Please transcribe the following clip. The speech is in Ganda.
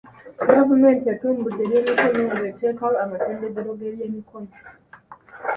Gavumenti etumbudde eby'emikono ng'eteekawo amatendekero g'ebyemikono.